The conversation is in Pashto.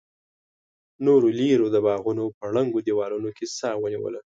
نورو ليرې د باغونو په ړنګو دېوالونو کې سا ونيوله.